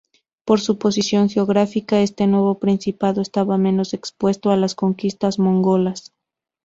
Por su posición geográfica, este nuevo principado estaba menos expuesto a las conquistas mongolas.